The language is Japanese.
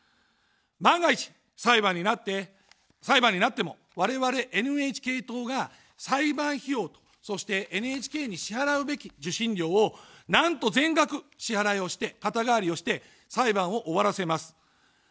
万が一、裁判になっても我々ＮＨＫ党が裁判費用と、そして、ＮＨＫに支払うべき受信料を、なんと全額支払いをして、肩代わりをして裁判を終わらせます。